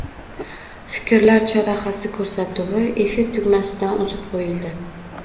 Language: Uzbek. «Fikrlar chorrahasi» ko‘rsatuvi efir tugamasidan uzib qo‘yildi.